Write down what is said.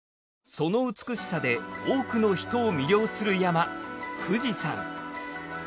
その美しさで多くの人を魅了する山富士山。